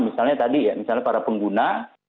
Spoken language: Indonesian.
misalnya tadi ya misalnya para pengguna